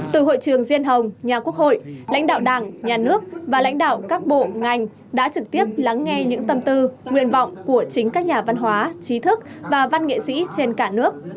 từ hội trường diên hồng nhà quốc hội lãnh đạo đảng nhà nước và lãnh đạo các bộ ngành đã trực tiếp lắng nghe những tâm tư nguyện vọng của chính các nhà văn hóa trí thức và văn nghệ sĩ trên cả nước